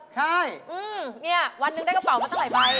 ใช่อืมนี่วันนึงได้กระเป๋ามาเท่าไหร่ไป